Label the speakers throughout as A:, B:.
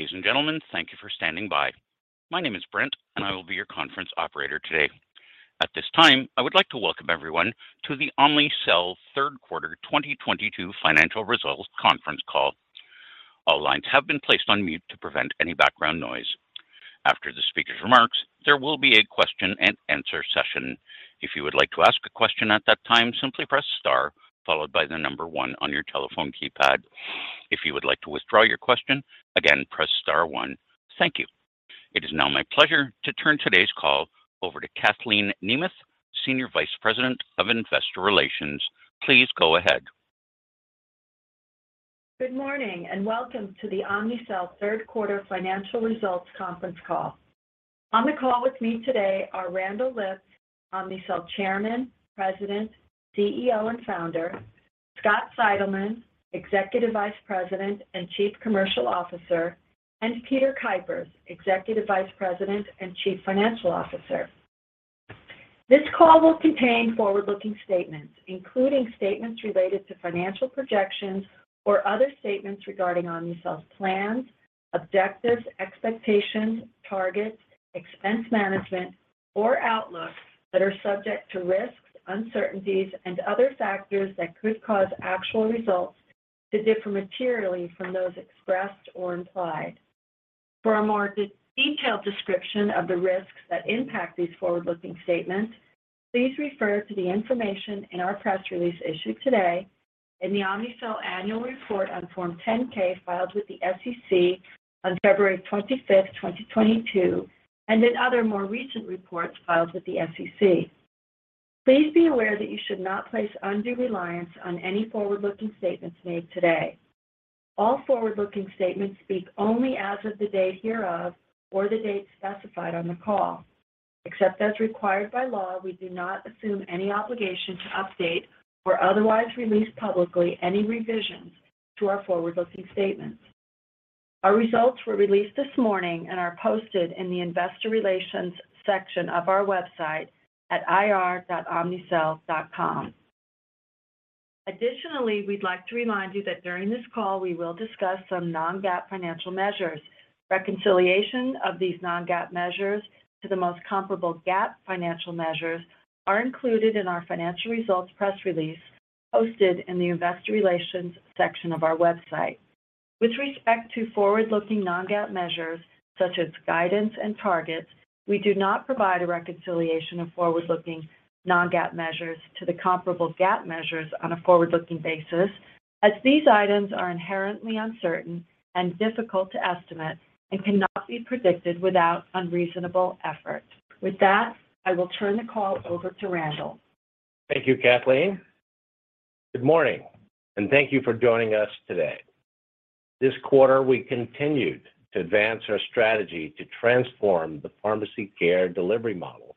A: Ladies and gentlemen, thank you for standing by. My name is Brent, and I will be your conference operator today. At this time, I would like to welcome everyone to the Omnicell Third Quarter 2022 Financial Results Conference Call. All lines have been placed on mute to prevent any background noise. After the speaker's remarks, there will be a question-and-answer session. If you would like to ask a question at that time, simply press star followed by the number one on your telephone keypad. If you would like to withdraw your question, again, press star one. Thank you. It is now my pleasure to turn today's call over to Kathleen Nemeth, Senior Vice President of Investor Relations. Please go ahead.
B: Good morning, and welcome to the Omnicell Third Quarter Financial Results Conference Call. On the call with me today are Randall Lipps, Omnicell Chairman, President, CEO, and Founder, Scott Seidelmann, Executive Vice President and Chief Commercial Officer, and Peter Kuipers, Executive Vice President and Chief Financial Officer. This call will contain forward-looking statements, including statements related to financial projections or other statements regarding Omnicell's plans, objectives, expectations, targets, expense management, or outlook that are subject to risks, uncertainties and other factors that could cause actual results to differ materially from those expressed or implied. For a more detailed description of the risks that impact these forward-looking statements, please refer to the information in our press release issued today in the Omnicell annual report on Form 10-K filed with the SEC on February 25, 2022, and in other more recent reports filed with the SEC. Please be aware that you should not place undue reliance on any forward-looking statements made today. All forward-looking statements speak only as of the date hereof or the date specified on the call. Except as required by law, we do not assume any obligation to update or otherwise release publicly any revisions to our forward-looking statements. Our results were released this morning and are posted in the investor relations section of our website at ir.omnicell.com. Additionally, we'd like to remind you that during this call, we will discuss some non-GAAP financial measures. Reconciliation of these non-GAAP measures to the most comparable GAAP financial measures are included in our financial results press release posted in the investor relations section of our website. With respect to forward-looking non-GAAP measures, such as guidance and targets, we do not provide a reconciliation of forward-looking non-GAAP measures to the comparable GAAP measures on a forward-looking basis, as these items are inherently uncertain and difficult to estimate and cannot be predicted without unreasonable effort. With that, I will turn the call over to Randall.
C: Thank you, Kathleen. Good morning, and thank you for joining us today. This quarter, we continued to advance our strategy to transform the pharmacy care delivery model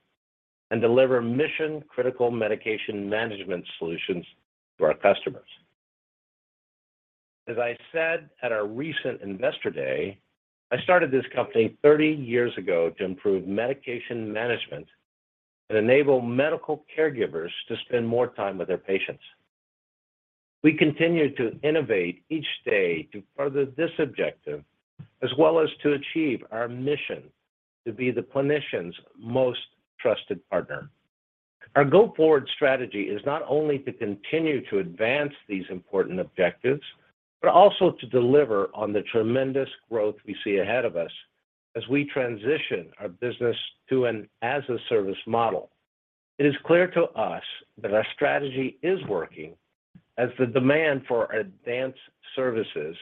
C: and deliver mission-critical medication management solutions to our customers. As I said at our recent Investor Day, I started this company 30 years ago to improve medication management and enable medical caregivers to spend more time with their patients. We continue to innovate each day to further this objective, as well as to achieve our mission to be the clinician's most trusted partner. Our go-forward strategy is not only to continue to advance these important objectives, but also to deliver on the tremendous growth we see ahead of us as we transition our business to an as-a-service model. It is clear to us that our strategy is working as the demand for our advanced services,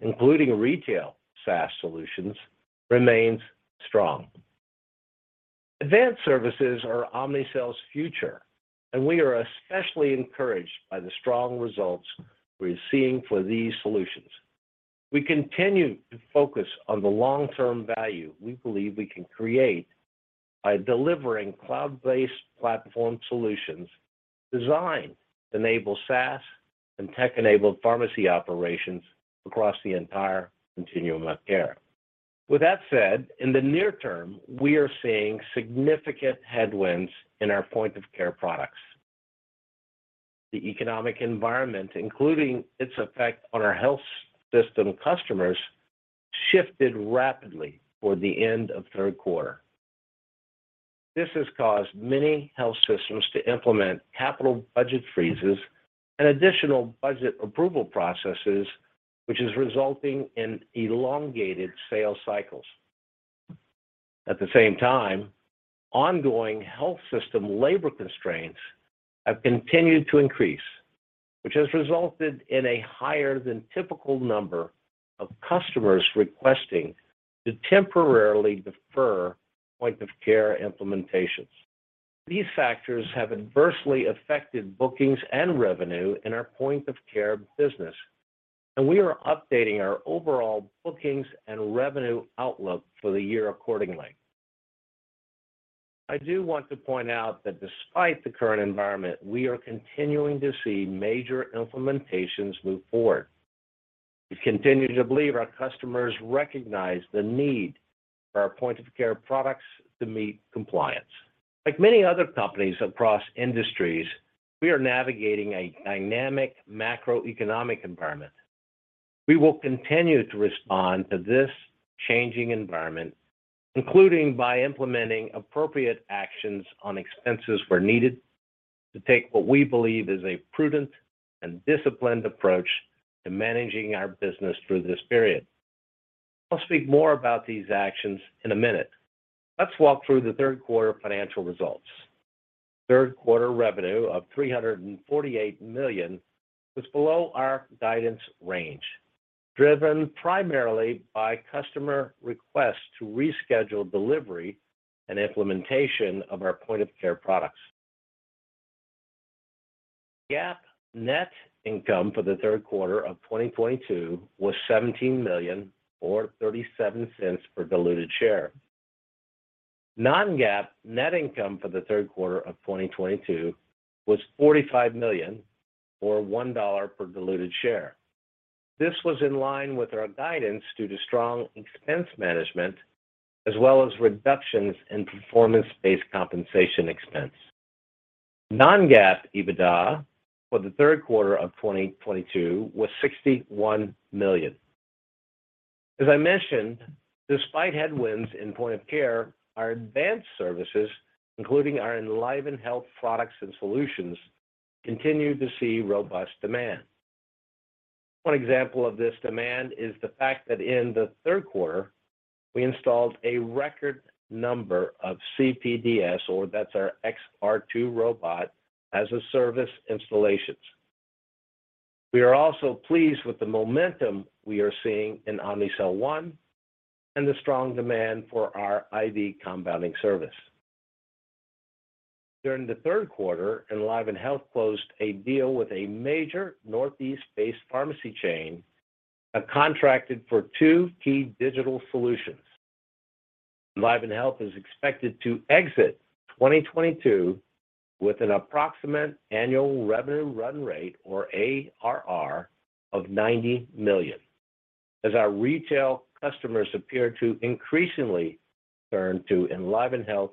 C: including retail SaaS solutions, remains strong. Advanced services are Omnicell's future, and we are especially encouraged by the strong results we are seeing for these solutions. We continue to focus on the long-term value we believe we can create by delivering cloud-based platform solutions designed to enable SaaS and tech-enabled pharmacy operations across the entire continuum of care. With that said, in the near term, we are seeing significant headwinds in our point of care products. The economic environment, including its effect on our health system customers, shifted rapidly toward the end of third quarter. This has caused many health systems to implement capital budget freezes and additional budget approval processes, which is resulting in elongated sales cycles. At the same time, ongoing health system labor constraints have continued to increase, which has resulted in a higher than typical number of customers requesting to temporarily defer point of care implementations. These factors have adversely affected bookings and revenue in our point of care business, and we are updating our overall bookings and revenue outlook for the year accordingly. I do want to point out that despite the current environment, we are continuing to see major implementations move forward. We continue to believe our customers recognize the need for our point of care products to meet compliance. Like many other companies across industries, we are navigating a dynamic macroeconomic environment. We will continue to respond to this changing environment, including by implementing appropriate actions on expenses where needed, to take what we believe is a prudent and disciplined approach to managing our business through this period. I'll speak more about these actions in a minute. Let's walk through the third quarter financial results. Third quarter revenue of $348 million was below our guidance range, driven primarily by customer requests to reschedule delivery and implementation of our point of care products. GAAP net income for the third quarter of 2022 was $17 million or $0.37 per diluted share. Non-GAAP net income for the third quarter of 2022 was $45 million or $1 per diluted share. This was in line with our guidance due to strong expense management, as well as reductions in performance-based compensation expense. Non-GAAP EBITDA for the third quarter of 2022 was $61 million. As I mentioned, despite headwinds in point of care, our advanced services, including our EnlivenHealth products and solutions, continue to see robust demand. One example of this demand is the fact that in the third quarter, we installed a record number of CPDS, or that's our XR2 robot as-a-service installations. We are also pleased with the momentum we are seeing in Omnicell One and the strong demand for our IV compounding service. During the third quarter, EnlivenHealth closed a deal with a major Northeast-based pharmacy chain that contracted for two key digital solutions. EnlivenHealth is expected to exit 2022 with an approximate annual revenue run rate or ARR of $90 million as our retail customers appear to increasingly turn to EnlivenHealth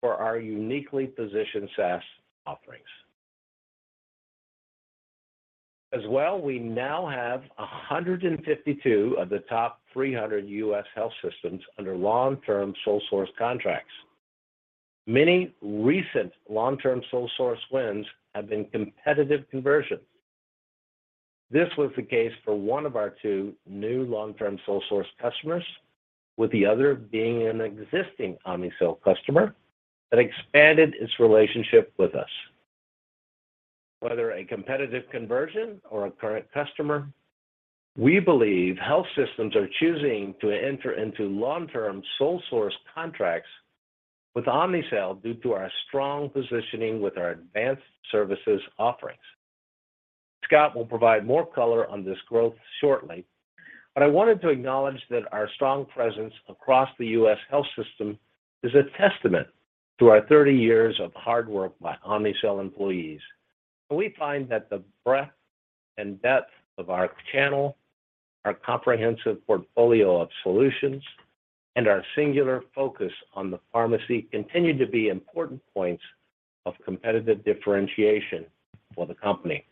C: for our uniquely positioned SaaS offerings. As well, we now have 152 of the top 300 U.S. health systems under long-term sole source contracts. Many recent long-term sole source wins have been competitive conversions. This was the case for one of our two new long-term sole source customers, with the other being an existing Omnicell customer that expanded its relationship with us. Whether a competitive conversion or a current customer, we believe health systems are choosing to enter into long-term sole source contracts with Omnicell due to our strong positioning with our advanced services offerings. Scott will provide more color on this growth shortly, but I wanted to acknowledge that our strong presence across the U.S. health system is a testament to our 30 years of hard work by Omnicell employees. We find that the breadth and depth of our channel, our comprehensive portfolio of solutions, and our singular focus on the pharmacy continue to be important points of competitive differentiation for the company.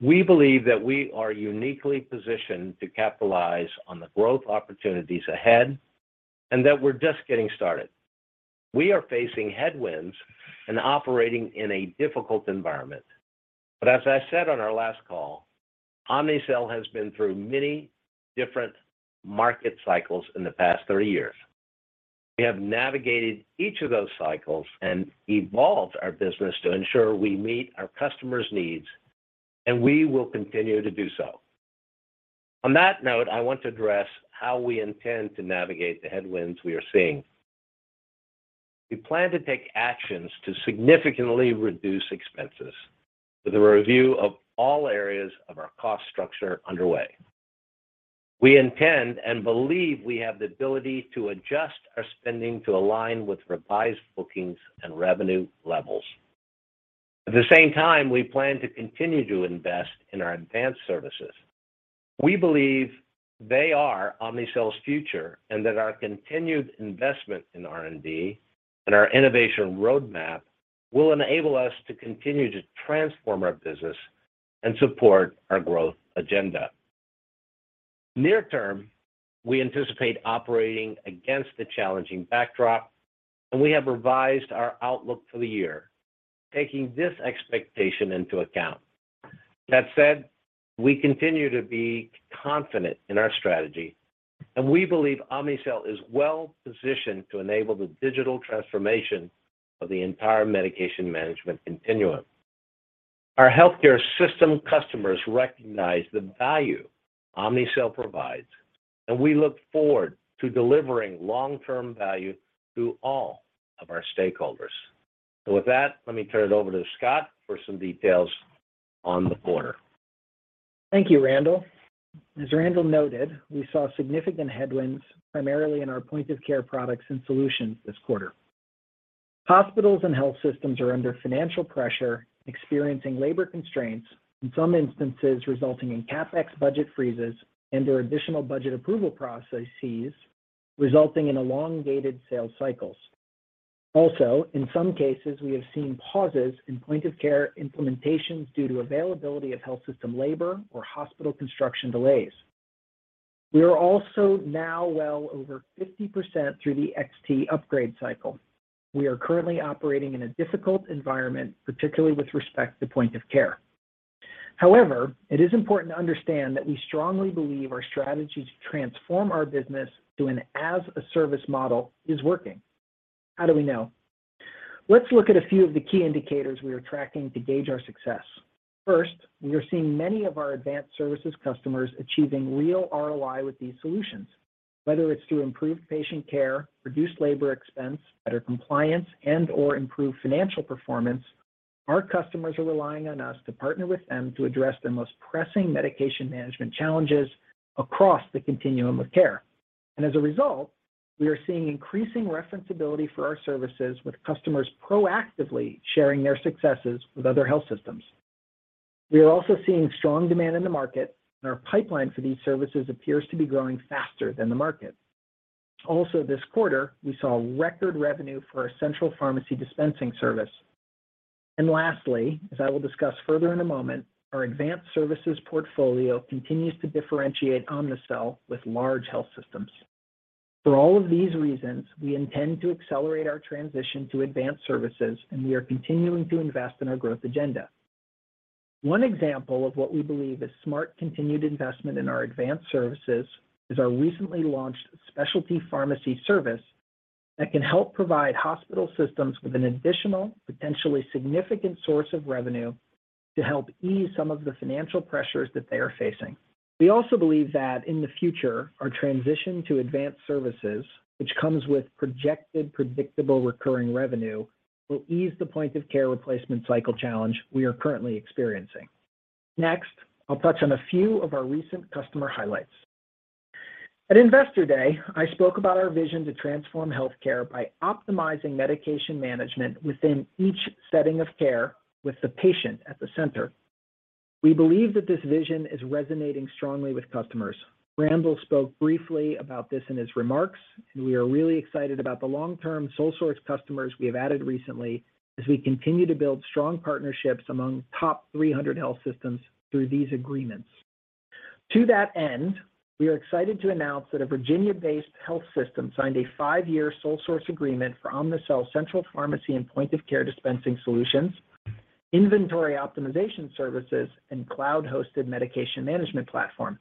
C: We believe that we are uniquely positioned to capitalize on the growth opportunities ahead, and that we're just getting started. We are facing headwinds and operating in a difficult environment. As I said on our last call, Omnicell has been through many different market cycles in the past 30 years. We have navigated each of those cycles and evolved our business to ensure we meet our customers' needs, and we will continue to do so. On that note, I want to address how we intend to navigate the headwinds we are seeing. We plan to take actions to significantly reduce expenses with a review of all areas of our cost structure underway. We intend and believe we have the ability to adjust our spending to align with revised bookings and revenue levels. At the same time, we plan to continue to invest in our advanced services. We believe they are Omnicell's future and that our continued investment in R&D and our innovation roadmap will enable us to continue to transform our business and support our growth agenda. Near term, we anticipate operating against a challenging backdrop, and we have revised our outlook for the year, taking this expectation into account. That said, we continue to be confident in our strategy, and we believe Omnicell is well positioned to enable the digital transformation of the entire medication management continuum. Our healthcare system customers recognize the value Omnicell provides, and we look forward to delivering long-term value to all of our stakeholders. With that, let me turn it over to Scott for some details on the quarter.
D: Thank you, Randall. As Randall noted, we saw significant headwinds, primarily in our point of care products and solutions this quarter. Hospitals and health systems are under financial pressure, experiencing labor constraints, in some instances resulting in CapEx budget freezes and/or additional budget approval processes resulting in elongated sales cycles. Also, in some cases, we have seen pauses in point of care implementations due to availability of health system labor or hospital construction delays. We are also now well over 50% through the XT upgrade cycle. We are currently operating in a difficult environment, particularly with respect to point of care. However, it is important to understand that we strongly believe our strategy to transform our business to an as a service model is working. How do we know? Let's look at a few of the key indicators we are tracking to gauge our success. First, we are seeing many of our advanced services customers achieving real ROI with these solutions. Whether it's through improved patient care, reduced labor expense, better compliance, and/or improved financial performance, our customers are relying on us to partner with them to address their most pressing medication management challenges across the continuum of care. As a result, we are seeing increasing referenceability for our services with customers proactively sharing their successes with other health systems. We are also seeing strong demand in the market, and our pipeline for these services appears to be growing faster than the market. Also this quarter, we saw record revenue for our Central Pharmacy Dispensing Service. Lastly, as I will discuss further in a moment, our advanced services portfolio continues to differentiate Omnicell with large health systems. For all of these reasons, we intend to accelerate our transition to advanced services, and we are continuing to invest in our growth agenda. One example of what we believe is smart continued investment in our advanced services is our recently launched specialty pharmacy service that can help provide hospital systems with an additional, potentially significant source of revenue to help ease some of the financial pressures that they are facing. We also believe that in the future, our transition to advanced services, which comes with projected predictable recurring revenue, will ease the point of care replacement cycle challenge we are currently experiencing. Next, I'll touch on a few of our recent customer highlights. At Investor Day, I spoke about our vision to transform health care by optimizing medication management within each setting of care with the patient at the center. We believe that this vision is resonating strongly with customers. Randall spoke briefly about this in his remarks, and we are really excited about the long-term sole source customers we have added recently as we continue to build strong partnerships among top 300 health systems through these agreements. To that end, we are excited to announce that a Virginia-based health system signed a 5-year sole source agreement for Omnicell Central Pharmacy and point of care dispensing solutions, inventory optimization services, and cloud-hosted medication management platform.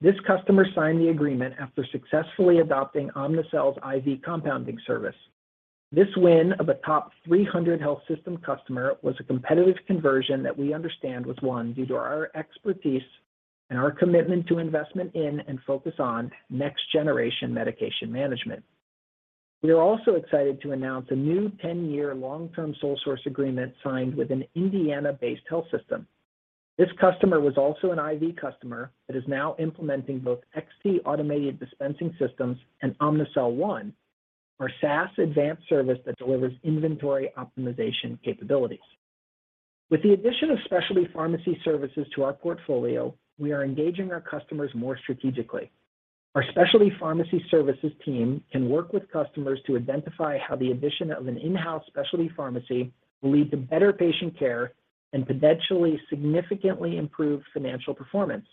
D: This customer signed the agreement after successfully adopting Omnicell's IV Compounding Service. This win of a top 300 health system customer was a competitive conversion that we understand was won due to our expertise and our commitment to investment in and focus on next generation medication management. We are also excited to announce a new 10-year long-term sole source agreement signed with an Indiana-based health system. This customer was also an IV customer that is now implementing both XT automated dispensing systems and Omnicell One, our SaaS advanced service that delivers inventory optimization capabilities. With the addition of Specialty Pharmacy Services to our portfolio, we are engaging our customers more strategically. Our Specialty Pharmacy Services team can work with customers to identify how the addition of an in-house specialty pharmacy will lead to better patient care and potentially significantly improve financial performance.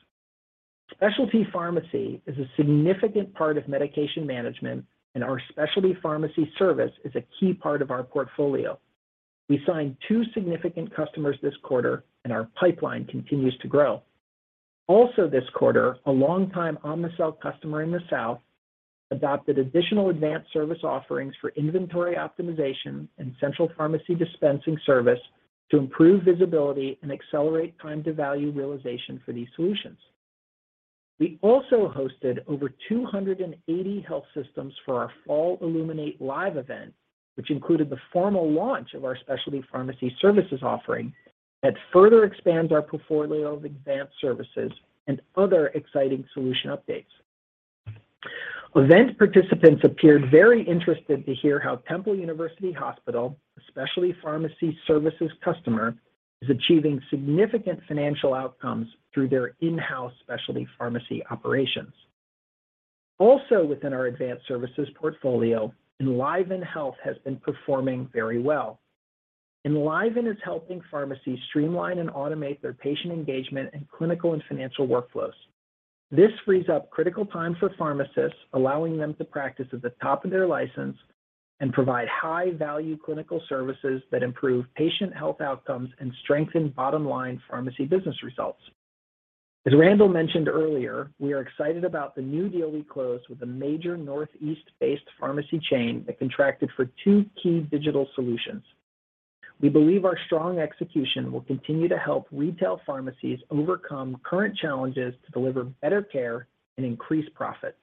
D: Specialty pharmacy is a significant part of medication management, and our Specialty Pharmacy Service is a key part of our portfolio. We signed 2 significant customers this quarter, and our pipeline continues to grow. This quarter, a long-time Omnicell customer in the South adopted additional advanced service offerings for inventory optimization and Central Pharmacy Dispensing Service to improve visibility and accelerate time to value realization for these solutions. We also hosted over 280 health systems for our fall Illuminate LIVE event, which included the formal launch of our Specialty Pharmacy Services offering that further expands our portfolio of advanced services and other exciting solution updates. Event participants appeared very interested to hear how Temple University Hospital, a Specialty Pharmacy Services customer, is achieving significant financial outcomes through their in-house specialty pharmacy operations. Also within our advanced services portfolio, EnlivenHealth has been performing very well. EnlivenHealth is helping pharmacies streamline and automate their patient engagement and clinical and financial workflows. This frees up critical time for pharmacists, allowing them to practice at the top of their license and provide high-value clinical services that improve patient health outcomes and strengthen bottom-line pharmacy business results. As Randall mentioned earlier, we are excited about the new deal we closed with a major Northeast-based pharmacy chain that contracted for two key digital solutions. We believe our strong execution will continue to help retail pharmacies overcome current challenges to deliver better care and increase profit.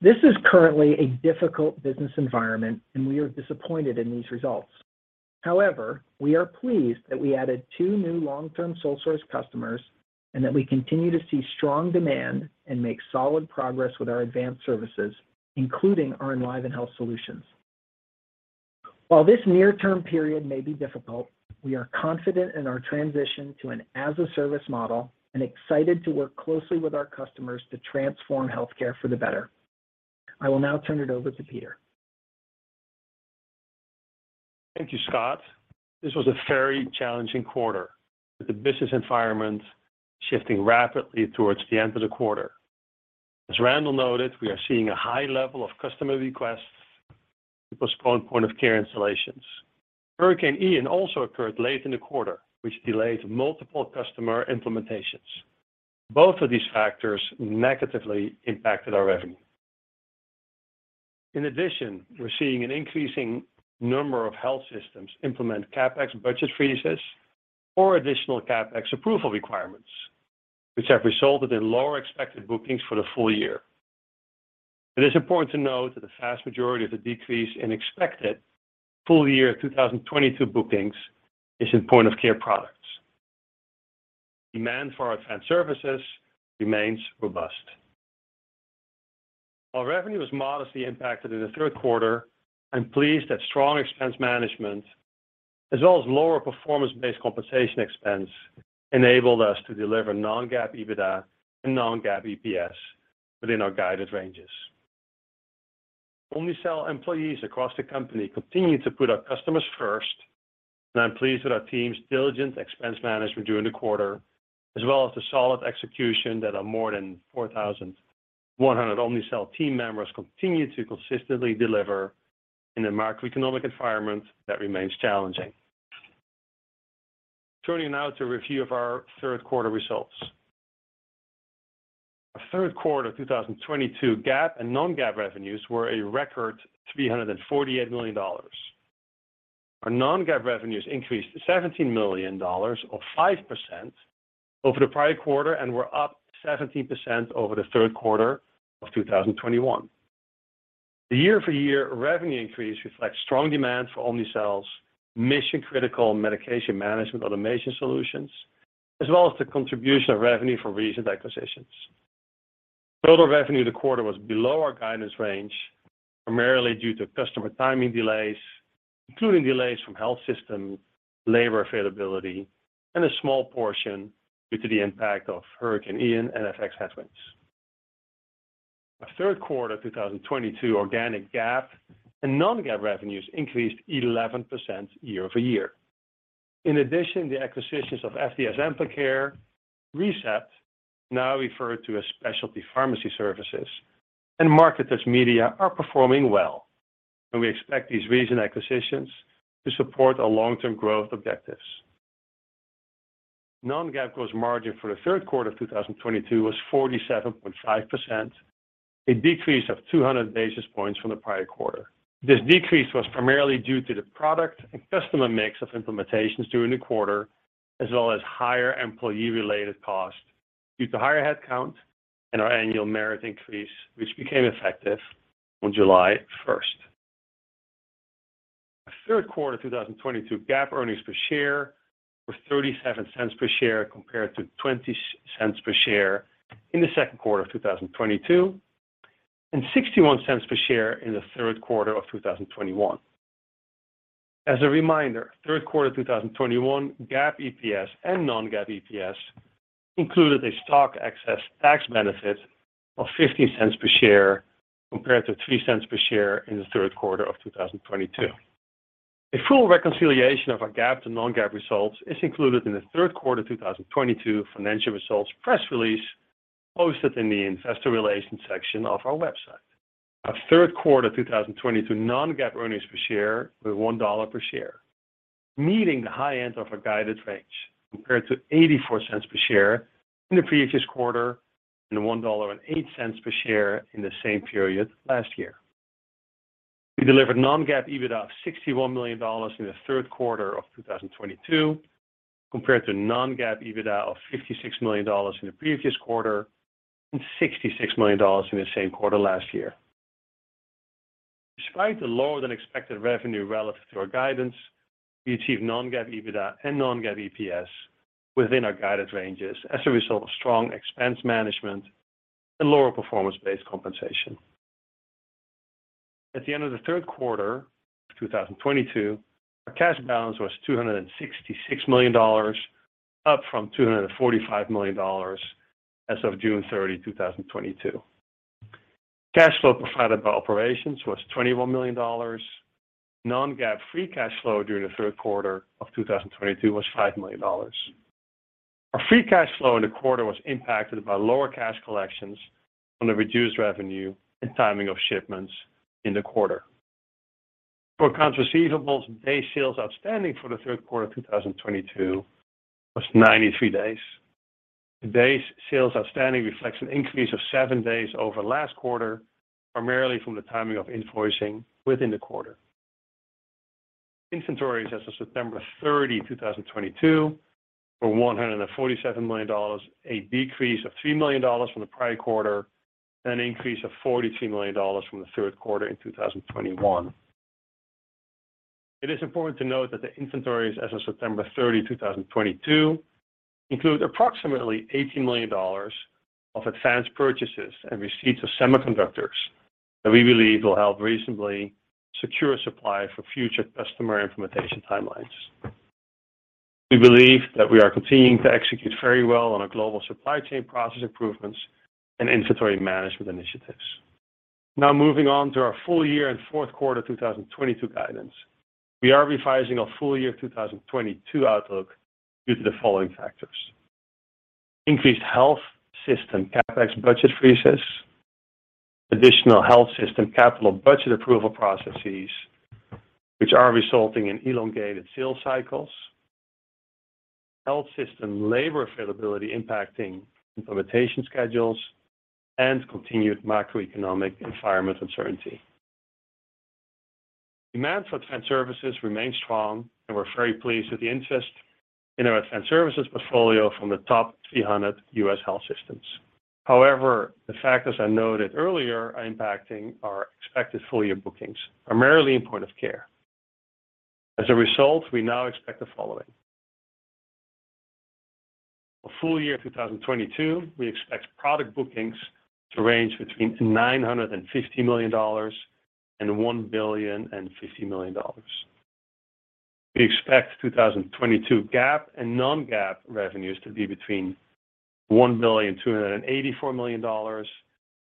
D: This is currently a difficult business environment, and we are disappointed in these results. However, we are pleased that we added two new long-term sole source customers and that we continue to see strong demand and make solid progress with our advanced services, including our EnlivenHealth solutions. While this near-term period may be difficult, we are confident in our transition to an as-a-service model and excited to work closely with our customers to transform healthcare for the better. I will now turn it over to Peter.
E: Thank you, Scott. This was a very challenging quarter, with the business environment shifting rapidly towards the end of the quarter. As Randall noted, we are seeing a high level of customer requests to postpone point-of-care installations. Hurricane Ian also occurred late in the quarter, which delayed multiple customer implementations. Both of these factors negatively impacted our revenue. In addition, we're seeing an increasing number of health systems implement CapEx budget freezes or additional CapEx approval requirements, which have resulted in lower expected bookings for the full year. It is important to note that the vast majority of the decrease in expected full year 2022 bookings is in point-of-care products. Demand for our advanced services remains robust. While revenue was modestly impacted in the third quarter, I'm pleased that strong expense management as well as lower performance-based compensation expense enabled us to deliver non-GAAP EBITDA and non-GAAP EPS within our guided ranges. Omnicell employees across the company continue to put our customers first, and I'm pleased with our team's diligent expense management during the quarter, as well as the solid execution that our more than 4,100 Omnicell team members continue to consistently deliver in a macroeconomic environment that remains challenging. Turning now to a review of our third quarter results. Our third quarter 2022 GAAP and non-GAAP revenues were a record $348 million. Our non-GAAP revenues increased $17 million or 5% over the prior quarter and were up 17% over the third quarter of 2021. The year-over-year revenue increase reflects strong demand for Omnicell's mission-critical medication management automation solutions, as well as the contribution of revenue from recent acquisitions. Total revenue in the quarter was below our guidance range, primarily due to customer timing delays, including delays from health system labor availability, and a small portion due to the impact of Hurricane Ian and FX headwinds. Our third quarter 2022 organic GAAP and non-GAAP revenues increased 11% year over year. In addition, the acquisitions of FDS Amplicare, ReCept, now referred to as Specialty Pharmacy Services, and MarkeTouch Media are performing well, and we expect these recent acquisitions to support our long-term growth objectives. Non-GAAP gross margin for the third quarter of 2022 was 47.5%, a decrease of 200 basis points from the prior quarter. This decrease was primarily due to the product and customer mix of implementations during the quarter, as well as higher employee-related costs due to higher headcount and our annual merit increase, which became effective on July 1. Our third quarter 2022 GAAP earnings per share were $0.37 per share compared to $0.20 per share in the second quarter of 2022, and $0.61 per share in the third quarter of 2021. As a reminder, third quarter 2021 GAAP EPS and non-GAAP EPS included a stock excess tax benefit of $0.15 per share compared to $0.03 per share in the third quarter of 2022. A full reconciliation of our GAAP to non-GAAP results is included in the third quarter 2022 financial results press release posted in the investor relations section of our website. Our third quarter 2022 non-GAAP earnings per share was $1 per share, meeting the high end of our guided range compared to $0.84 per share in the previous quarter and $1.08 per share in the same period last year. We delivered non-GAAP EBITDA of $61 million in the third quarter of 2022 compared to non-GAAP EBITDA of $56 million in the previous quarter and $66 million in the same quarter last year. Despite the lower than expected revenue relative to our guidance, we achieved non-GAAP EBITDA and non-GAAP EPS within our guided ranges as a result of strong expense management and lower performance-based compensation. At the end of the third quarter of 2022, our cash balance was $266 million, up from $245 million as of June 30, 2022. Cash flow provided by operations was $21 million. Non-GAAP free cash flow during the third quarter of 2022 was $5 million. Our free cash flow in the quarter was impacted by lower cash collections on the reduced revenue and timing of shipments in the quarter. Our accounts receivable days sales outstanding for the third quarter of 2022 was 93 days. The days sales outstanding reflects an increase of 7 days over last quarter, primarily from the timing of invoicing within the quarter. Inventories as of September 30, 2022. For $147 million, a decrease of $3 million from the prior quarter, and an increase of $42 million from the third quarter in 2021. It is important to note that the inventories as of September 30, 2022 include approximately $80 million of advanced purchases and receipts of semiconductors that we believe will help reasonably secure supply for future customer implementation timelines. We believe that we are continuing to execute very well on our global supply chain process improvements and inventory management initiatives. Now moving on to our full year and fourth quarter 2022 guidance. We are revising our full year 2022 outlook due to the following factors. Increased health system CapEx budget freezes, additional healtfull-yearh system capital budget approval processes, which are resulting in elongated sales cycles, health system labor availability impacting implementation schedules, and continued macroeconomic environment uncertainty. Demand for advanced services remains strong, and we're very pleased with the interest in our advanced services portfolio from the top 300 U.S. health systems. However, the factors I noted earlier are impacting our expected full-year bookings, primarily in point of care. As a result, we now expect the following. For full year 2022, we expect product bookings to range between $950 million and $1,050 million. We expect 2022 GAAP and non-GAAP revenues to be between $1.284 billion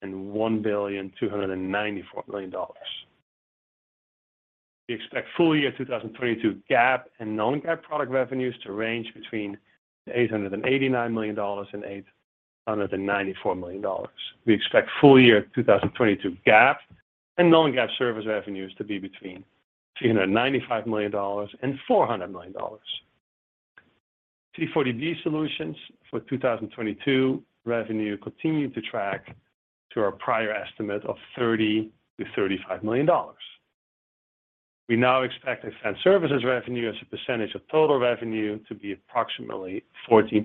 E: and $1.294 billion. We expect full year 2022 GAAP and non-GAAP product revenues to range between $889 million and $894 million. We expect full-year 2022 GAAP and non-GAAP service revenues to be between $295 million and $400 million. 340B solutions for 2022 revenue continue to track to our prior estimate of $30-$35 million. We now expect advanced services revenue as a percentage of total revenue to be approximately 14%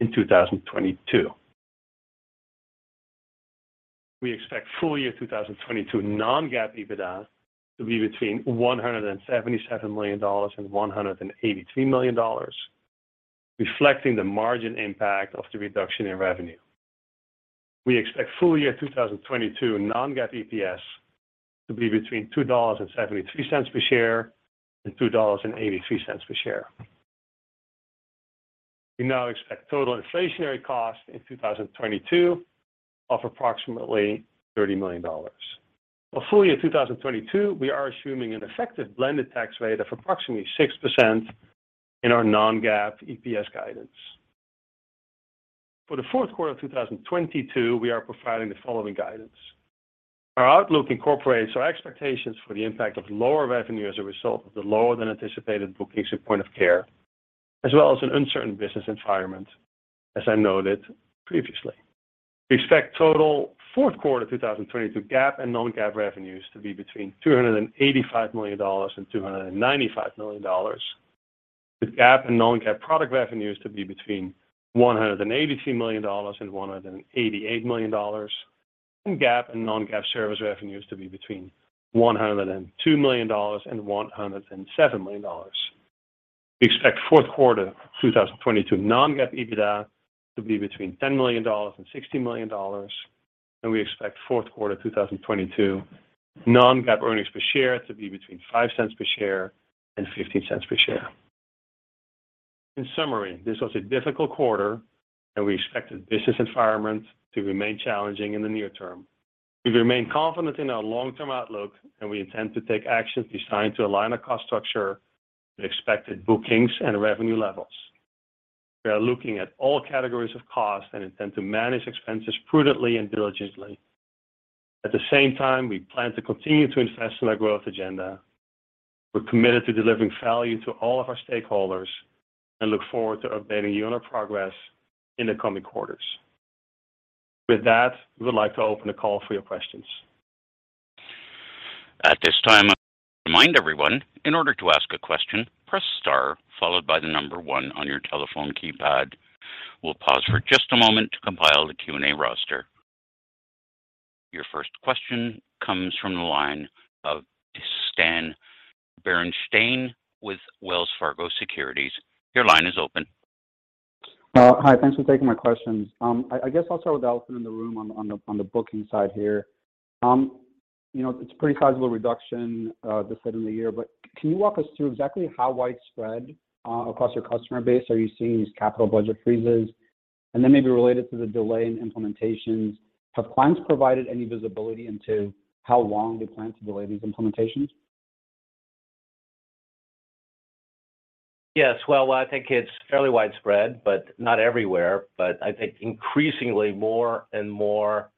E: in 2022. We expect full year 2022 non-GAAP EBITDA to be between $177 million and $183 million, reflecting the margin impact of the reduction in revenue. We expect full year 2022 non-GAAP EPS to be between $2.73 per share and $2.83 per share. We now expect total inflationary costs in 2022 of approximately $30 million. For full year 2022, we are assuming an effective blended tax rate of approximately 6% in our non-GAAP EPS guidance. For the fourth quarter of 2022, we are providing the following guidance. Our outlook incorporates our expectations for the impact of lower revenue as a result of the lower than anticipated bookings at point of care, as well as an uncertain business environment, as I noted previously. We expect total fourth quarter 2022 GAAP and non-GAAP revenues to be between $285 million and $295 million, with GAAP and non-GAAP product revenues to be between $183 million and $188 million, and GAAP and non-GAAP service revenues to be between $102 million and $107 million. We expect fourth quarter 2022 non-GAAP EBITDA to be between $10 million and $60 million, and we expect fourth quarter 2022 non-GAAP earnings per share to be between $0.05 per share and $0.15 per share. In summary, this was a difficult quarter, and we expect the business environment to remain challenging in the near term. We remain confident in our long-term outlook, and we intend to take actions designed to align our cost structure with expected bookings and revenue levels. We are looking at all categories of costs and intend to manage expenses prudently and diligently. At the same time, we plan to continue to invest in our growth agenda. We're committed to delivering value to all of our stakeholders and look forward to updating you on our progress in the coming quarters. With that, we would like to open the call for your questions.
A: At this time, I'd like to remind everyone, in order to ask a question, press star followed by the number one on your telephone keypad. We'll pause for just a moment to compile the Q&A roster. Your first question comes from the line of Stanislav Berenshteyn with Wells Fargo Securities. Your line is open.
F: Hi. Thanks for taking my questions. I guess I'll start with the elephant in the room on the booking side here. You know, it's a pretty sizable reduction this end of the year, but can you walk us through exactly how widespread across your customer base are you seeing these capital budget freezes? Then maybe related to the delay in implementations, have clients provided any visibility into how long they plan to delay these implementations?
C: Yes. Well, I think it's fairly widespread, but not everywhere. I think increasingly more and more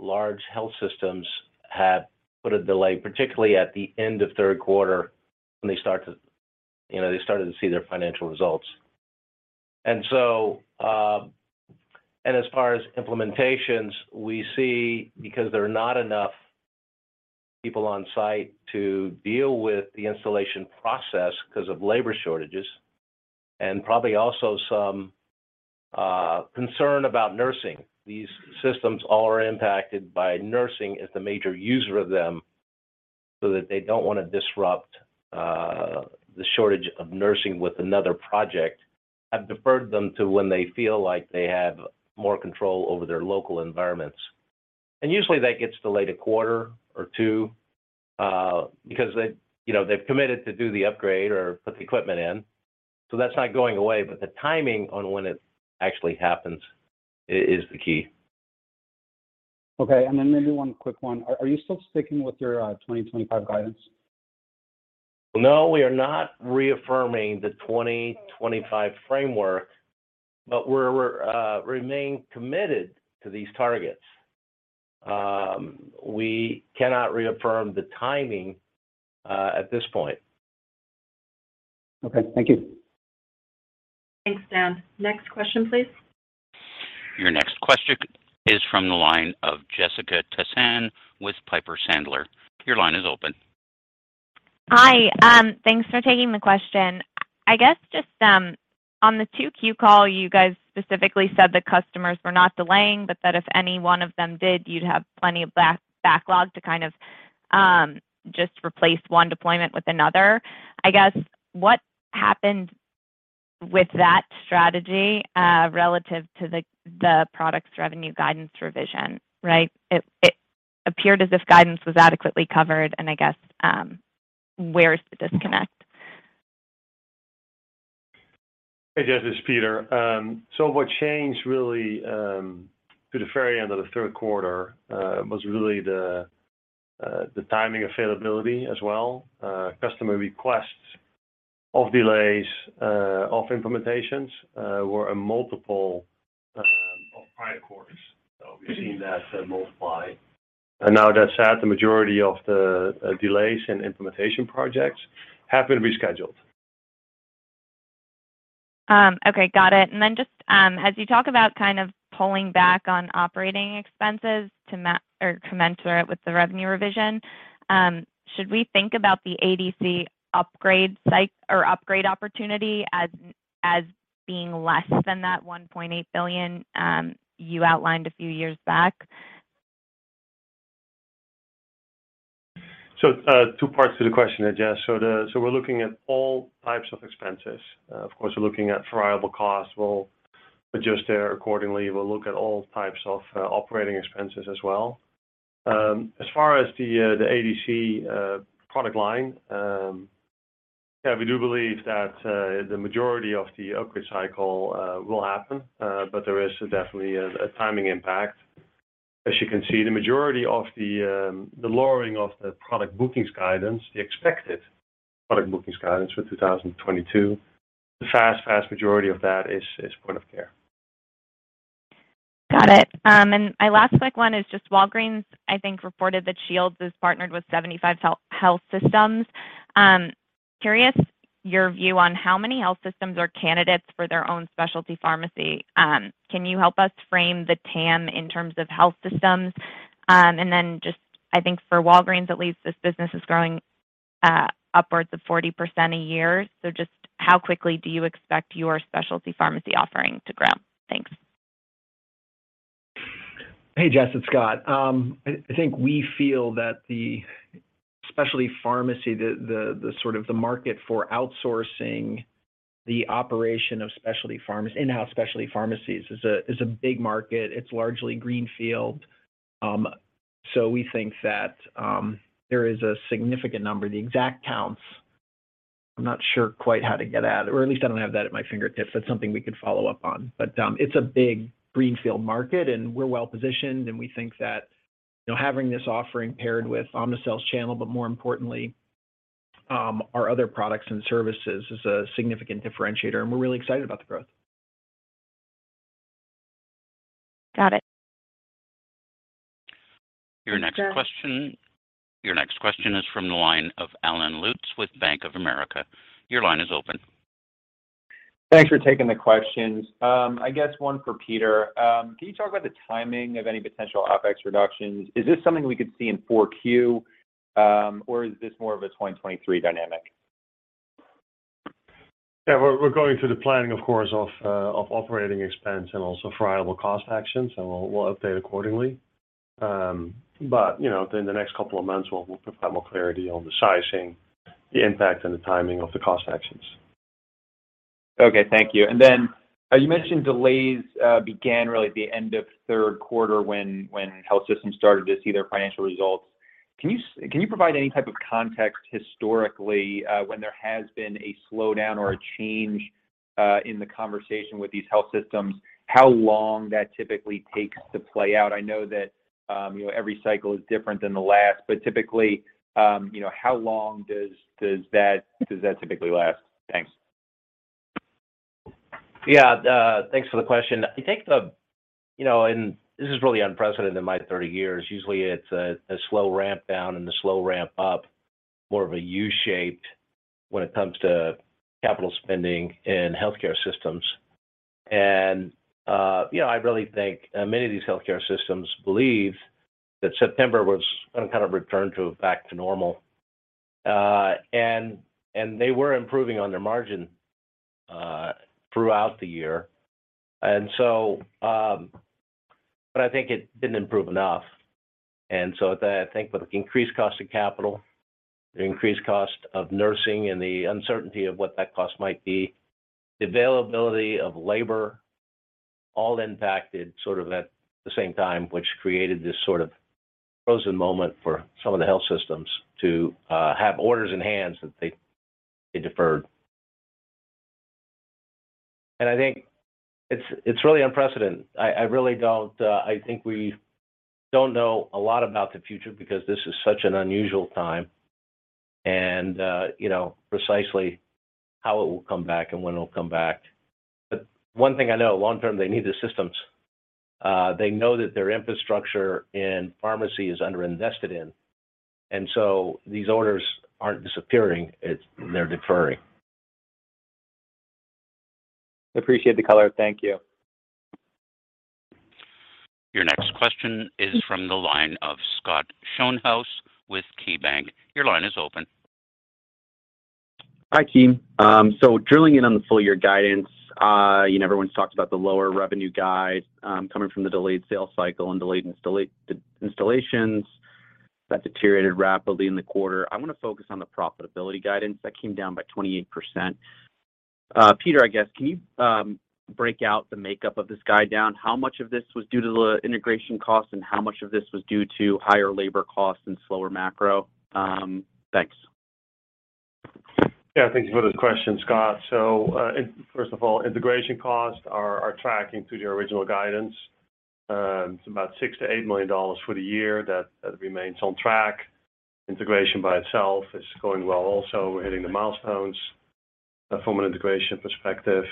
C: large health systems have put a delay, particularly at the end of third quarter when they start to. You know, they started to see their financial results. As far as implementations, we see because there are not enough People on site to deal with the installation process because of labor shortages, and probably also some concern about nursing. These systems all are impacted by nursing as the major user of them, so that they don't want to disrupt the shortage of nursing with another project, have deferred them to when they feel like they have more control over their local environments. Usually, that gets delayed a quarter or two, because they, you know, they've committed to do the upgrade or put the equipment in. That's not going away, but the timing on when it actually happens is the key.
F: Okay. Maybe one quick one. Are you still sticking with your 2025 guidance?
C: No, we are not reaffirming the 2025 framework, but we're remain committed to these targets. We cannot reaffirm the timing at this point.
F: Okay. Thank you.
B: Thanks, Stan Berenshteyn. Next question, please.
A: Your next question is from the line of Jessica Tassan with Piper Sandler. Your line is open.
G: Hi. Thanks for taking the question. I guess just on the 2Q call, you guys specifically said the customers were not delaying, but that if any one of them did, you'd have plenty of backlog to kind of just replace one deployment with another. I guess, what happened with that strategy relative to the products revenue guidance revision? Right? It appeared as if guidance was adequately covered and I guess, where is the disconnect?
E: Hey, Jess, it's Peter. What changed really to the very end of the third quarter was really the timing availability as well. Customer requests of delays of implementations were a multiple of prior quarters. We've seen that multiply. Now that said, the majority of the delays in implementation projects have been rescheduled.
G: Okay. Got it. Just as you talk about kind of pulling back on operating expenses to commensurate with the revenue revision, should we think about the ADC upgrade cycle or upgrade opportunity as being less than that $1.8 billion you outlined a few years back?
E: Two parts to the question there, Jess. We're looking at all types of expenses. Of course, we're looking at variable costs. We'll adjust there accordingly. We'll look at all types of operating expenses as well. As far as the ADC product line, yeah, we do believe that the majority of the upgrade cycle will happen. There is definitely a timing impact. As you can see, the majority of the lowering of the product bookings guidance, the expected product bookings guidance for 2022, the vast majority of that is point of care.
G: Got it. My last quick one is just Walgreens, I think, reported that Shields has partnered with 75 health systems. Curious your view on how many health systems are candidates for their own specialty pharmacy. Can you help us frame the TAM in terms of health systems? Then just I think for Walgreens, at least, this business is growing upwards of 40% a year. Just how quickly do you expect your specialty pharmacy offering to grow? Thanks.
D: Hey, Jess, it's Scott. I think we feel that the specialty pharmacy, the sort of the market for outsourcing the operation of in-house specialty pharmacies is a big market. It's largely greenfield. We think that there is a significant number. The exact counts, I'm not sure quite how to get at, or at least I don't have that at my fingertips. That's something we could follow up on. It's a big greenfield market, and we're well-positioned, and we think that, you know, having this offering paired with Omnicell's channel, but more importantly, our other products and services is a significant differentiator, and we're really excited about the growth.
G: Got it.
A: Your next question is from the line of Allen Lutz with Bank of America. Your line is open.
H: Thanks for taking the questions. I guess one for Peter. Can you talk about the timing of any potential OpEx reductions? Is this something we could see in Q4, or is this more of a 2023 dynamic?
E: Yeah. We're going through the planning, of course, of operating expense and also variable cost actions, and we'll update accordingly. You know, in the next couple of months, we'll provide more clarity on the sizing, the impact, and the timing of the cost actions.
H: Okay. Thank you. Then, as you mentioned, delays began really at the end of third quarter when health systems started to see their financial results. Can you provide any type of context historically when there has been a slowdown or a change in the conversation with these health systems, how long that typically takes to play out? I know that, you know, every cycle is different than the last. Typically, you know, how long does that typically last? Thanks.
C: Yeah. Thanks for the question. I think and this is really unprecedented in my 30 years. Usually, it's a slow ramp down and a slow ramp up, more of a U-shaped when it comes to capital spending in healthcare systems. I really think many of these healthcare systems believe that September was some kind of return to back to normal. They were improving on their margin throughout the year. I think it didn't improve enough. I think with the increased cost of capital, the increased cost of nursing, and the uncertainty of what that cost might be, the availability of labor all impacted sort of at the same time, which created this sort of frozen moment for some of the health systems to have orders in hand that they deferred. I think it's really unprecedented. I think we don't know a lot about the future because this is such an unusual time and you know, precisely how it will come back and when it'll come back. One thing I know, long term, they need the systems. They know that their infrastructure and pharmacy is underinvested in, and so these orders aren't disappearing, they're deferring.
D: Appreciate the color. Thank you.
A: Your next question is from the line of Scott Schoenhaus with KeyBanc. Your line is open.
I: Hi, team. Drilling in on the full-year guidance, you know, everyone's talked about the lower revenue guide coming from the delayed sales cycle and delayed installations that deteriorated rapidly in the quarter. I want to focus on the profitability guidance that came down by 28%. Peter, I guess, can you break out the makeup of this guide down? How much of this was due to the integration cost, and how much of this was due to higher labor costs and slower macro? Thanks.
E: Thank you for the question, Scott. First of all, integration costs are tracking to the original guidance. It's about $6 million-$8 million for the year. That remains on track. Integration by itself is going well also. We're hitting the milestones from an integration perspective.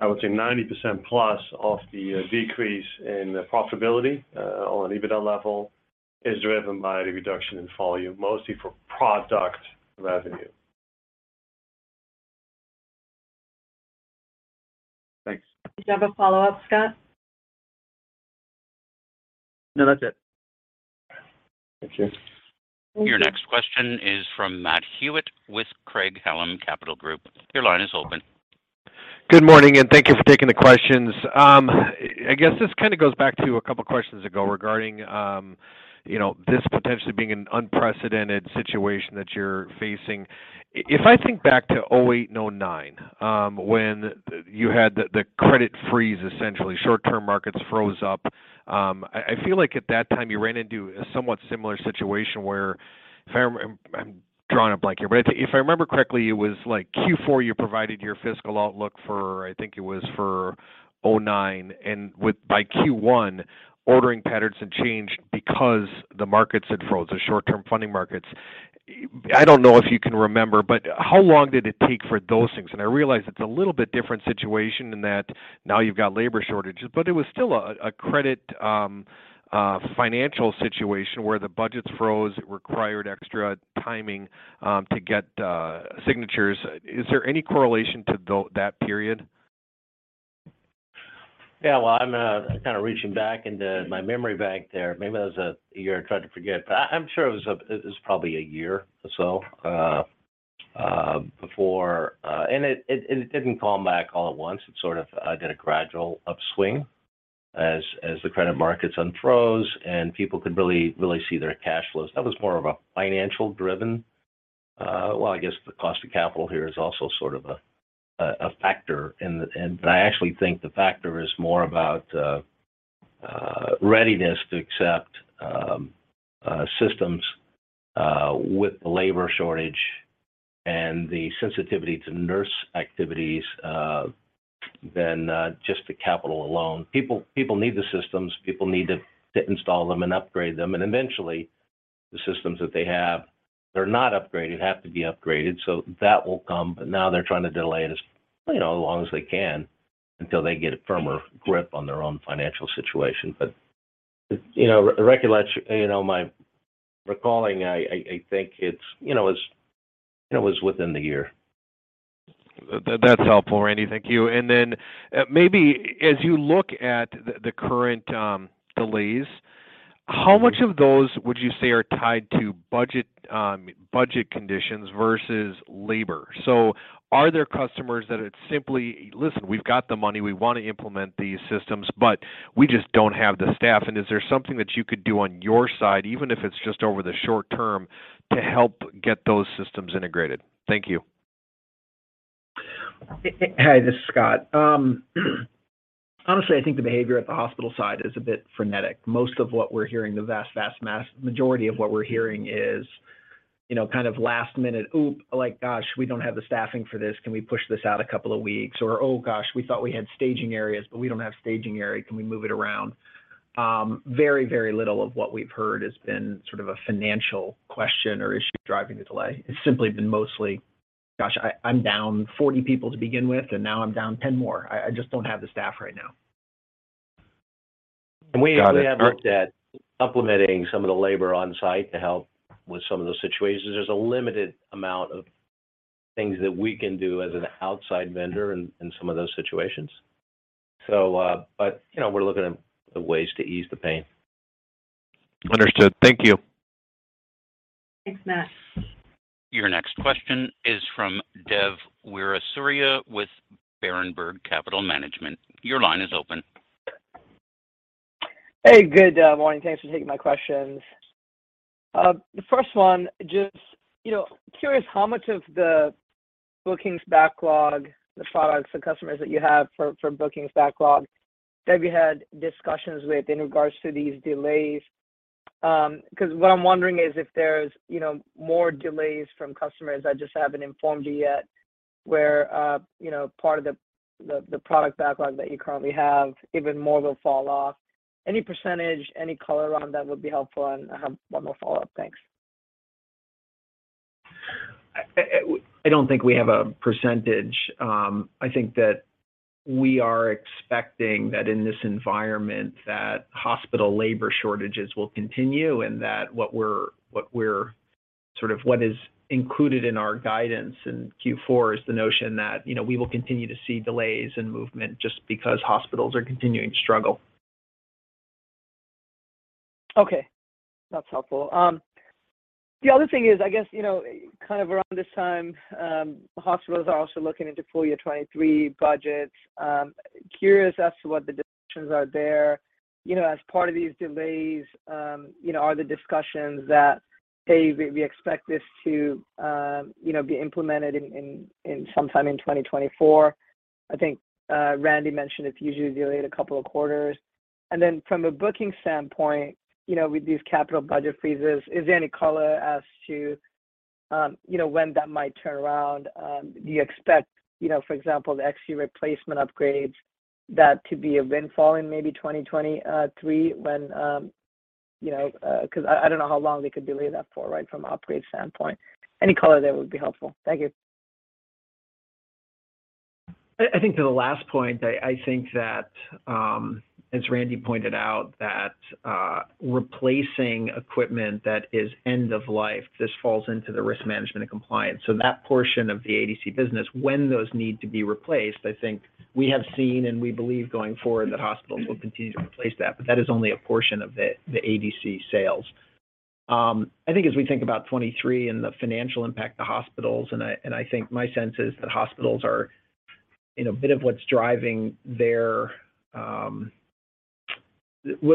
E: I would say 90% plus of the decrease in profitability on an EBITDA level is driven by the reduction in volume, mostly for product revenue.
I: Thanks.
B: Did you have a follow-up, Scott?
I: No, that's it.
E: Thank you.
B: Thank you.
A: Your next question is from Matt Hewitt with Craig-Hallum Capital Group. Your line is open.
J: Good morning, and thank you for taking the questions. I guess this kind of goes back to a couple of questions ago regarding, you know, this potentially being an unprecedented situation that you're facing. If I think back to 2008 and 2009, when you had the credit freeze, essentially, short-term markets froze up, I feel like at that time you ran into a somewhat similar situation where I'm drawing a blank here. But if I remember correctly, it was like Q4 you provided your fiscal outlook for, I think it was for 2009. By Q1, ordering patterns had changed because the markets had froze, the short-term funding markets. I don't know if you can remember, but how long did it take for those things? I realize it's a little bit different situation in that now you've got labor shortages, but it was still a credit financial situation where the budgets froze. It required extra time to get signatures. Is there any correlation to that period?
C: Yeah. Well, I'm kind of reaching back into my memory bank there. Maybe that was a year I tried to forget, but I'm sure it was probably a year or so before. It didn't fall back all at once. It sort of did a gradual upswing as the credit markets unfroze and people could really see their cash flows. That was more of a financial driven. Well, I guess the cost of capital here is also sort of a factor. I actually think the factor is more about readiness to accept systems with the labor shortage and the sensitivity to nurse activities than just the capital alone. People need the systems. People need to install them and upgrade them. Eventually, the systems that they have, they're not upgraded, have to be upgraded, so that will come. Now they're trying to delay it as, you know, long as they can until they get a firmer grip on their own financial situation. You know, my recalling, I think it's, you know, it was within the year.
J: That's helpful, Randy. Thank you. Then maybe as you look at the current delays, how much of those would you say are tied to budget conditions versus labor? Are there customers that it's simply, "Listen, we've got the money. We want to implement these systems, but we just don't have the staff." Is there something that you could do on your side, even if it's just over the short term, to help get those systems integrated? Thank you.
D: Hi, this is Scott. Honestly, I think the behavior at the hospital side is a bit frenetic. Most of what we're hearing, the vast majority of what we're hearing is, you know, kind of last minute, "Oop. Like, gosh, we don't have the staffing for this. Can we push this out a couple of weeks?" Or, "Oh, gosh, we thought we had staging areas, but we don't have staging area. Can we move it around?" Very, very little of what we've heard has been sort of a financial question or issue driving the delay. It's simply been mostly, "Gosh, I'm down 40 people to begin with, and now I'm down 10 more. I just don't have the staff right now.
J: We have looked at supplementing some of the labor on site to help with some of those situations. There's a limited amount of things that we can do as an outside vendor in some of those situations. You know, we're looking at ways to ease the pain. Understood. Thank you.
B: Thanks, Matt.
A: Your next question is from Dev Weerasinghe with Berenberg Capital Markets. Your line is open.
K: Hey, good morning. Thanks for taking my questions. The first one, just, you know, curious how much of the bookings backlog, the products, the customers that you have for bookings backlog have you had discussions with in regards to these delays? Because what I'm wondering is if there's, you know, more delays from customers that just haven't informed you yet where, you know, part of the product backlog that you currently have, even more will fall off. Any percentage, any color on that would be helpful. I have one more follow-up. Thanks.
D: I don't think we have a percentage. I think that we are expecting that in this environment hospital labor shortages will continue, and that what we're sort of what is included in our guidance in Q4 is the notion that, you know, we will continue to see delays in movement just because hospitals are continuing to struggle.
K: Okay. That's helpful. The other thing is, I guess, you know, kind of around this time, hospitals are also looking into full year 2023 budgets. Curious as to what the discussions are there. You know, as part of these delays, you know, are the discussions that, hey, we expect this to, you know, be implemented in sometime in 2024. I think, Randy mentioned it's usually delayed a couple of quarters. Then from a booking standpoint, you know, with these capital budget freezes, is there any color as to, you know, when that might turn around? Do you expect, you know, for example, the XT replacement upgrades, that to be a windfall in maybe 2023 when, you know, because I don't know how long they could delay that for, right, from an upgrade standpoint. Any color there would be helpful. Thank you.
D: I think to the last point, I think that as Randy pointed out, replacing equipment that is end of life, this falls into the risk management and compliance. That portion of the ADC business, when those need to be replaced, I think we have seen and we believe going forward that hospitals will continue to replace that. That is only a portion of the ADC sales. I think as we think about 2023 and the financial impact to hospitals, and I think my sense is that hospitals are, you know,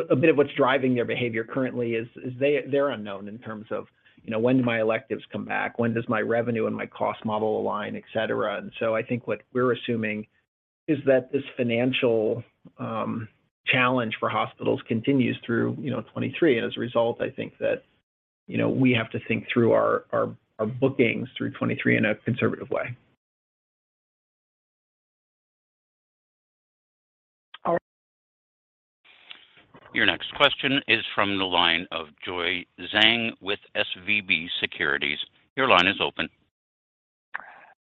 D: a bit of what's driving their behavior currently is they're unknown in terms of, you know, when do my electives come back? When does my revenue and my cost model align, et cetera. I think what we're assuming is that this financial challenge for hospitals continues through, you know, 2023. As a result, I think that, you know, we have to think through our bookings through 2023 in a conservative way.
K: All right.
A: Your next question is from the line of Joy Zhang with SVB Securities. Your line is open.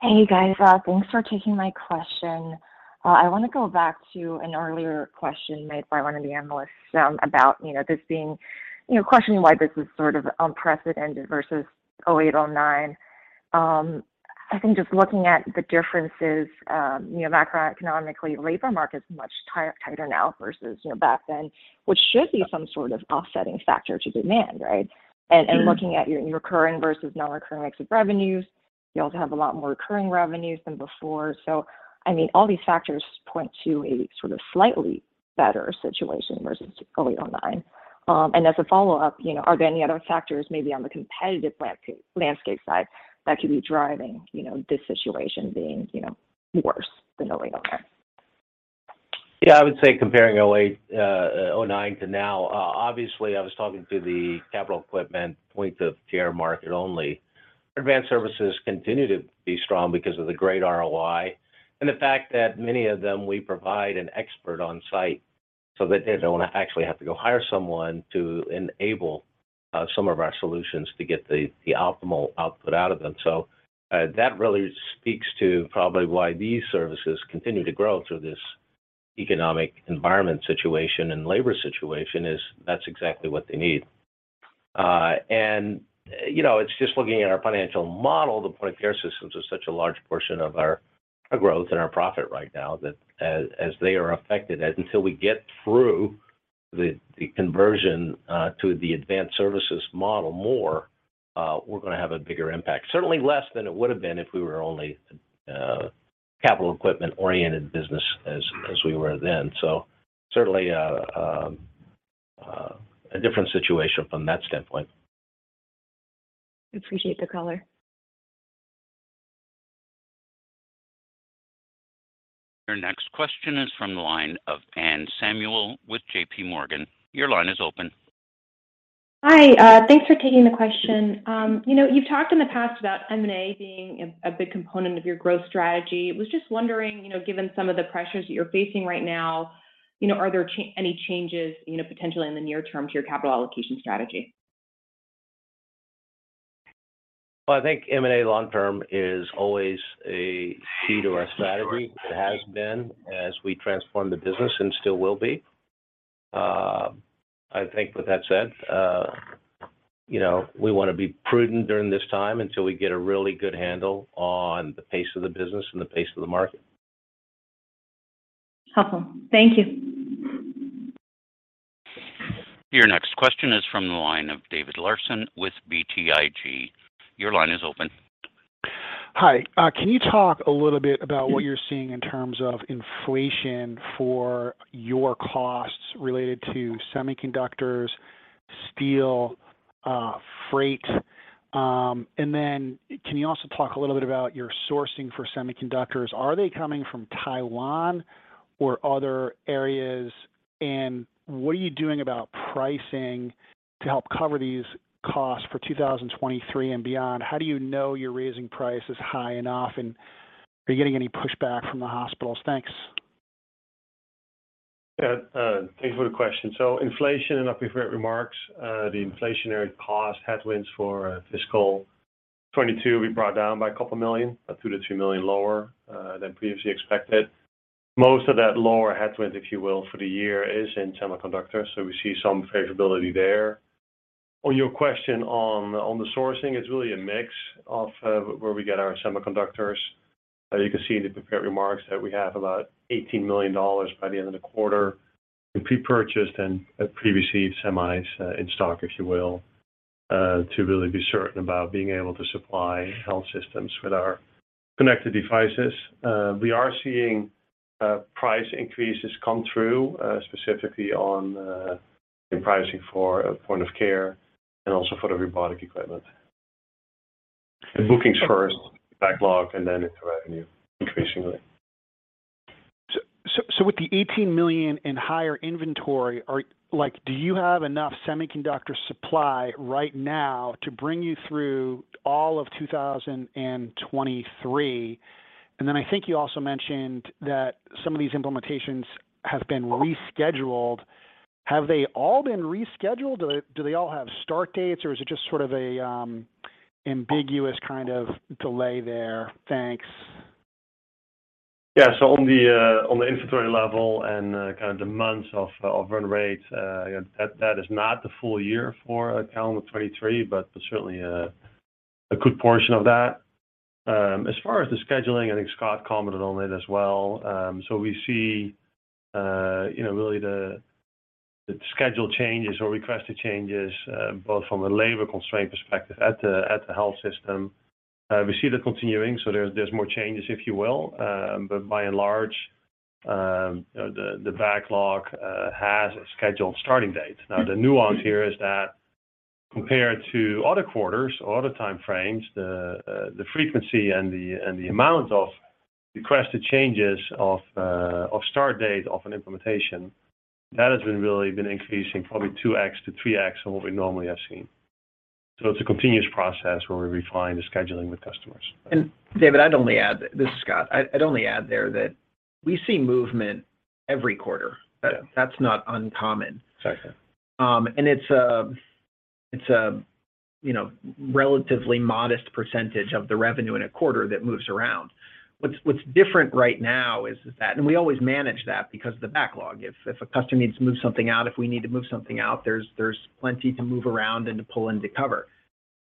L: Hey, guys. Thanks for taking my question. I want to go back to an earlier question made by one of the analysts, about, you know, this being, you know, questioning why this is sort of unprecedented versus 2008, 2009. I think just looking at the differences, you know, macroeconomically, labor market's much tighter now versus, you know, back then, which should be some sort of offsetting factor to demand, right?
D: Mm-hmm.
L: Looking at your recurring versus non-recurring mix of revenues, you also have a lot more recurring revenues than before. I mean, all these factors point to a sort of slightly better situation versus 2008, 2009. As a follow-up, you know, are there any other factors maybe on the competitive landscape side that could be driving, you know, this situation being, you know, worse than 2008, 2009?
C: Yeah. I would say comparing 2008, 2009 to now, obviously I was talking to the capital equipment point of care market only. Advanced services continue to be strong because of the great ROI and the fact that many of them we provide an expert on site so that they don't actually have to go hire someone to enable some of our solutions to get the optimal output out of them. That really speaks to probably why these services continue to grow through this economic environment situation and labor situation is that's exactly what they need. You know, it's just looking at our financial model, the point of care systems is such a large portion of our growth and our profit right now that as they are affected, until we get through the conversion to the advanced services model more, we're gonna have a bigger impact. Certainly less than it would have been if we were only capital equipment-oriented business as we were then. Certainly a different situation from that standpoint.
L: Appreciate the color.
A: Your next question is from the line of Anne Samuel with J.P. Morgan. Your line is open.
M: Hi. Thanks for taking the question. You know, you've talked in the past about M&A being a big component of your growth strategy. Was just wondering, you know, given some of the pressures that you're facing right now, you know, are there any changes, you know, potentially in the near term to your capital allocation strategy?
D: Well, I think M&A long term is always a key to our strategy. It has been as we transform the business and still will be. I think with that said, you know, we wanna be prudent during this time until we get a really good handle on the pace of the business and the pace of the market.
M: Helpful. Thank you.
A: Your next question is from the line of David Larsen with BTIG. Your line is open.
N: Hi. Can you talk a little bit about what you're seeing in terms of inflation for your costs related to semiconductors, steel, freight? Then can you also talk a little bit about your sourcing for semiconductors? Are they coming from Taiwan or other areas? What are you doing about pricing to help cover these costs for 2023 and beyond? How do you know you're raising prices high enough, and are you getting any pushback from the hospitals? Thanks.
E: Yeah. Thank you for the question. Inflation in our prepared remarks, the inflationary cost headwinds for fiscal 2022 will be brought down by a couple million, about $2-$3 million lower than previously expected. Most of that lower headwind, if you will, for the year is in semiconductors, so we see some favorability there. On your question on the sourcing, it's really a mix of where we get our semiconductors. You can see in the prepared remarks that we have about $18 million by the end of the quarter in pre-purchased and pre-received semis in stock, if you will, to really be certain about being able to supply health systems with our connected devices. We are seeing price increases come through, specifically on in pricing for point of care and also for the robotic equipment. In bookings first, backlog, and then into revenue increasingly.
N: With the $18 million in higher inventory, like, do you have enough semiconductor supply right now to bring you through all of 2023? I think you also mentioned that some of these implementations have been rescheduled. Have they all been rescheduled? Do they all have start dates, or is it just sort of a ambiguous kind of delay there? Thanks.
E: Yeah. On the inventory level and kind of the months of run rate, you know, that is not the full year for calendar 2023, but certainly a good portion of that. As far as the scheduling, I think Scott commented on it as well. We see you know, really the schedule changes or requested changes both from a labor constraint perspective at the health system. We see that continuing, so there's more changes, if you will. By and large, you know, the backlog has a scheduled starting date. Now, the nuance here is that compared to other quarters or other time frames, the frequency and the amount of requested changes of start date of an implementation, that has really been increasing probably 2x-3x on what we normally have seen. It's a continuous process where we refine the scheduling with customers.
D: David, this is Scott. I'd only add there that we see movement every quarter.
E: Yeah.
D: That's not uncommon.
E: Exactly.
D: It's a, you know, relatively modest percentage of the revenue in a quarter that moves around. What's different right now is that we always manage that because of the backlog. If a customer needs to move something out, if we need to move something out, there's plenty to move around and to pull in to cover.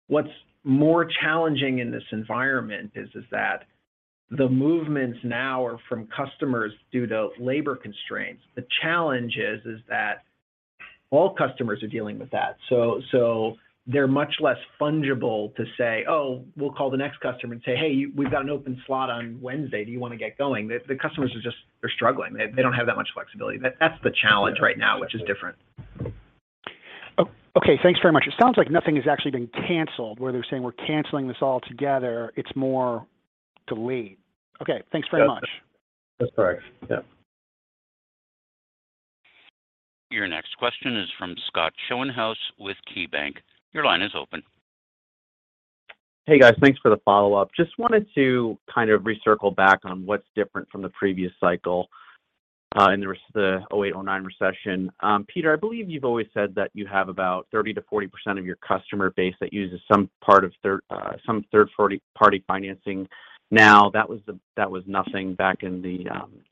D: What's more challenging in this environment is that the movements now are from customers due to labor constraints. The challenge is that all customers are dealing with that. They're much less fungible to say, "Oh, we'll call the next customer and say, 'Hey, we've got an open slot on Wednesday. Do you wanna get going?'" The customers are just, they're struggling. They don't have that much flexibility. That's the challenge right now which is different.
N: Okay, thanks very much. It sounds like nothing has actually been canceled, where they're saying, "We're canceling this altogether." It's more delayed. Okay. Thanks very much.
E: That's correct. Yeah.
A: Your next question is from Scott Schoenhaus with KeyBanc. Your line is open.
I: Hey, guys. Thanks for the follow-up. Just wanted to circle back on what's different from the previous cycle in the 2008, 2009 recession. Peter, I believe you've always said that you have about 30%-40% of your customer base that uses some part of third-party financing now. That was nothing back in the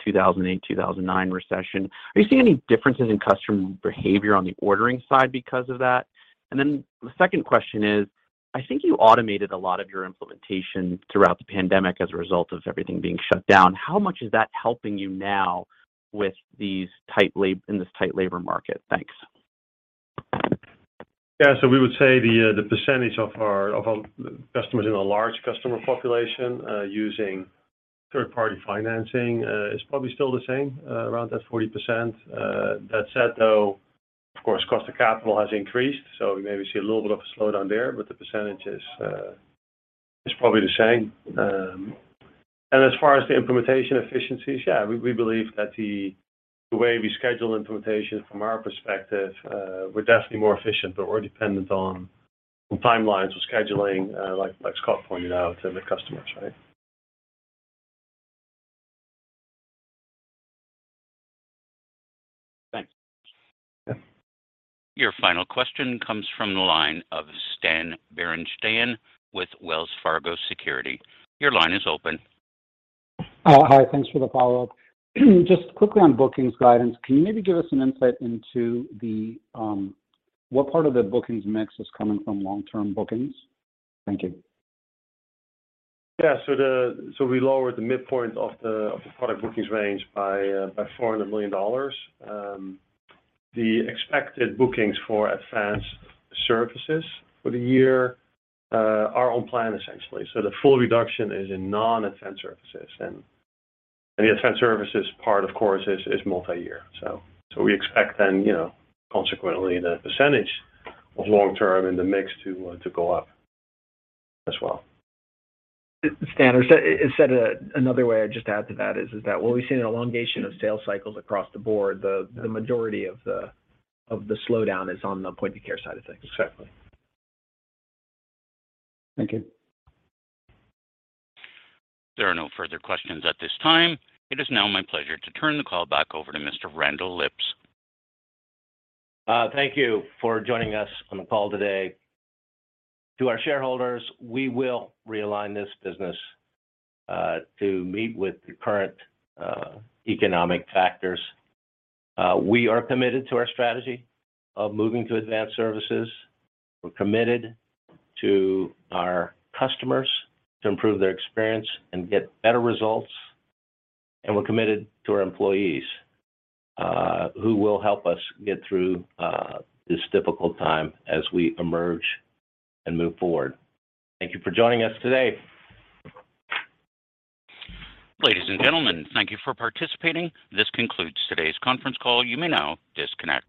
I: 2008, 2009 recession. Are you seeing any differences in customer behavior on the ordering side because of that? Then the second question is, I think you automated a lot of your implementation throughout the pandemic as a result of everything being shut down. How much is that helping you now in this tight labor market? Thanks.
E: Yeah, we would say the percentage of our customers in our large customer population using third-party financing is probably still the same around that 40%. That said, though, of course, cost of capital has increased, so we maybe see a little bit of a slowdown there, but the percentage is probably the same. As far as the implementation efficiencies, yeah, we believe that the way we schedule implementation from our perspective, we're definitely more efficient, but we're dependent on timelines or scheduling like Scott pointed out and the customers, right?
A: Your final question comes from the line of Stan Berenshteyn with Wells Fargo Securities. Your line is open.
F: Hi. Thanks for the follow-up. Just quickly on bookings guidance, can you maybe give us some insight into the what part of the bookings mix is coming from long-term bookings? Thank you.
E: Yeah. We lowered the midpoint of the product bookings range by $400 million. The expected bookings for advanced services for the year are on plan essentially. The full reduction is in non-advanced services. The advanced services part, of course, is multi-year. We expect then, you know, consequently the percentage of long term in the mix to go up as well.
C: Stan, or said another way, I'd just add to that is that what we've seen an elongation of sales cycles across the board. The majority of the slowdown is on the point of care side of things.
E: Exactly.
F: Thank you.
A: There are no further questions at this time. It is now my pleasure to turn the call back over to Mr. Randall Lipps.
C: Thank you for joining us on the call today. To our shareholders, we will realign this business to meet with the current economic factors. We are committed to our strategy of moving to advanced services. We're committed to our customers to improve their experience and get better results. We're committed to our employees who will help us get through this difficult time as we emerge and move forward. Thank you for joining us today.
A: Ladies and gentlemen, thank you for participating. This concludes today's conference call. You may now disconnect.